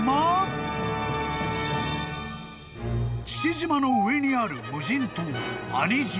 ［父島の上にある無人島兄島］